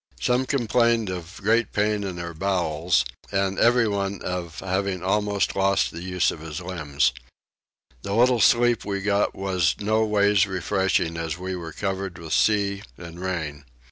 Some complained of great pain in their bowels, and everyone of having almost lost the use of his limbs. The little sleep we got was no ways refreshing as we were covered with sea and rain.